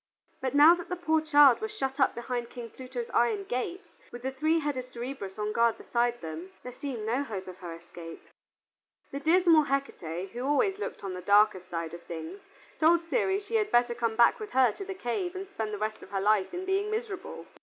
But now that the poor child was shut up behind King Pluto's iron gates, with the three headed Cerberus on guard beside them, there seemed no hope of her escape. The dismal Hecate, who always looked on the darkest side of things, told Ceres she had better come back with her to the cave and spend the rest of her life in being miserable.